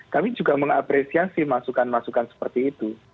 kami juga mengapresiasi masukan masukan seperti itu